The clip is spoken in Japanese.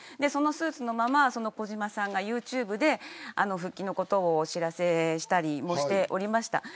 そのスーツのまま児嶋さんがユーチューブで復帰のことをお知らせしたりもしておりました。